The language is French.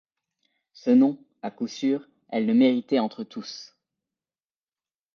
Ce nom, à coup sûr, elle le méritait entre tous.